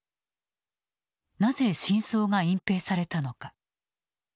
なぜ真相が隠蔽されたのか。